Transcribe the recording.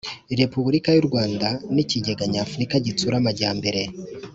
repubulika y u rwanda n ikigega nyafurika gitsura amajyambere